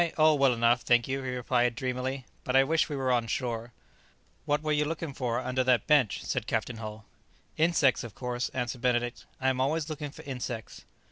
Oh, well enough, thank you," he replied dreamily; "but I wish we were on shore." "What were you looking for under that bench?" said Captain Hull. "Insects, of course," answered Benedict; "I am always looking for insects."